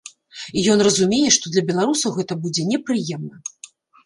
І ён разумее, што для беларусаў гэта будзе непрыемна.